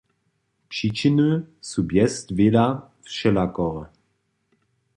Přičiny su bjezdwěla wšelakore.